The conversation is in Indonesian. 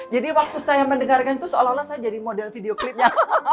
jadi waktu saya mendengarkan itu seolah olah saya jadi model video klipnya